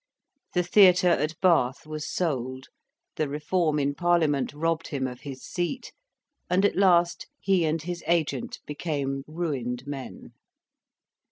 The theatre at Bath was sold, the Reform in Parliament robbed him of his seat, and at last he and his agent became ruined men.